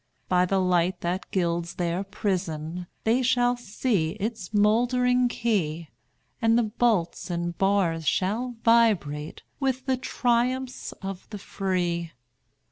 By the light that gilds their prison They shall see its mouldering key; And the bolts and bars shall vibrate With the triumphs of the free.